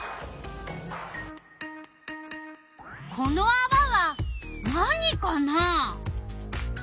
このあわは何かな？